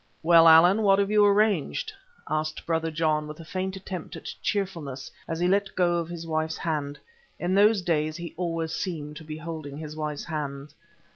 "Well, Allan, what have you arranged?" asked Brother John, with a faint attempt at cheerfulness as he let go of his wife's hand. In those days he always seemed to be holding his wife's hand.